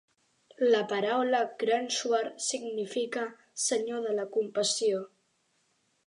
La paraula "Ghrneshwar" significa "senyor de la compassió".